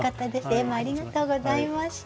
絵もありがとうございました。